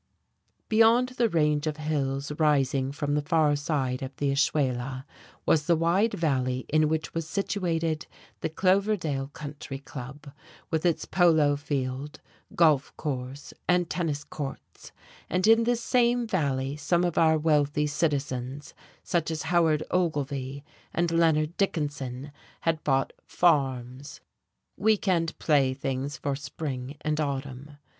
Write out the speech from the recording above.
Beyond the range of hills rising from the far side of the Ashuela was the wide valley in which was situated the Cloverdale Country Club, with its polo field, golf course and tennis courts; and in this same valley some of our wealthy citizens, such as Howard Ogilvy and Leonard Dickinson, had bought "farms," week end playthings for spring and autumn.